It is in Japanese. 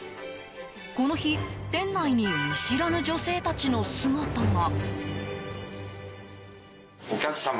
この日、店内に見知らぬ女性たちの姿が。